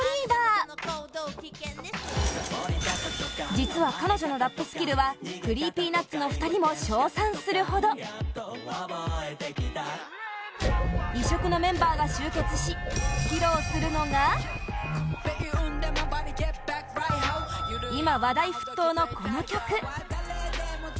実は、彼女のラップスキルはＣｒｅｅｐｙＮｕｔｓの２人も賞賛するほど異色のメンバーが集結し披露するのが今、話題沸騰のこの曲！